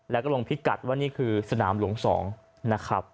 แล้วก็ลงพิกัดว่านี่คือสนามหลวง๒นะครับ